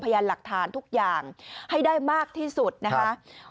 พยายามหลักฐานทุกอย่างให้ได้มากที่สุดนะคะ